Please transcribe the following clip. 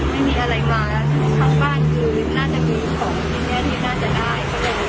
ไม่มีอะไรมาแล้วทั้งบ้านคือน่าจะมีของที่แน่ที่น่าจะได้